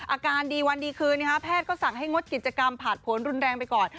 อาการดีวันดีคืนแพทย์ก็สั่งให้งดกิจกรรมผ่านผลรุนแรงไปก่อน